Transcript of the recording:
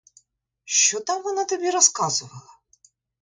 Що там вона тобі розказувала?